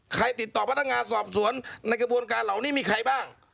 ติดต่อพนักงานสอบสวนในกระบวนการเหล่านี้มีใครบ้าง